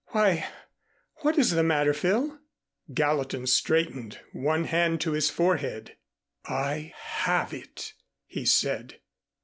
Why, what is the matter, Phil?" Gallatin straightened, one hand to his forehead. "I have it," he said.